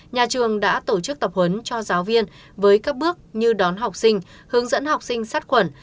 nhà trường đã tổ chức tập huấn cho giáo viên với các bước như đón học sinh hướng dẫn học sinh sát khuẩn